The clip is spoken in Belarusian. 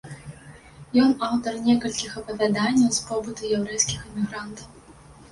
Ён аўтар некалькіх апавяданняў з побыту яўрэйскіх эмігрантаў.